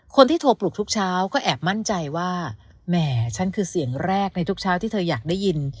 คนที่โทรปลุกทุกเช้าก็แอบมั่นใจว่าแหมฉันคือเสียงแรกในทุกเช้าที่เธออยากได้ยิน